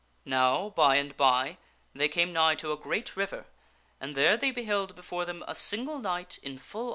Now, by and by they came nigh to a great river, and there they beheld before them a single knight in full.